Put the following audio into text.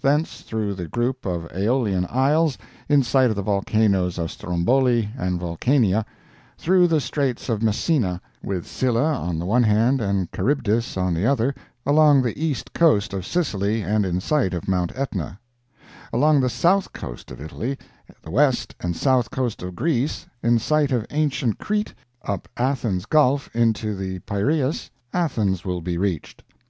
Thence through the group of Aeolian Isles, in sight of the volcanoes of Stromboli and Vulcania, through the Straits of Messina, with Scylla on the one hand and Charybdis on the other, along the east coast of Sicily, and in sight of Mount Etna—along the south coast of Italy, the west and south coast of Greece, in sight of ancient Crete, up Athens Gulf into the Piraeus, Athens will be reached.